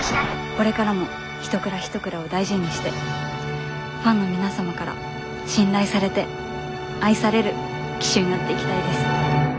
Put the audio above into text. これからも一鞍一鞍を大事にしてファンの皆様から信頼されて愛される騎手になっていきたいです。